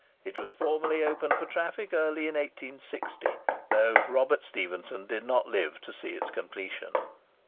It was formally opened for traffic early in 1860; though Robert Stephenson did not live to see its completion.